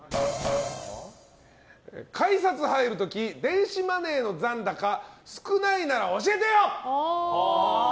改札入る時、電子マネーの残高少ないなら教えてよ！